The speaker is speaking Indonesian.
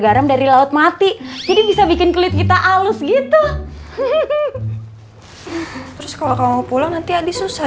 garam dari laut mati jadi bisa bikin kulit kita halus gitu terus kalau kamu pulang nanti adi susah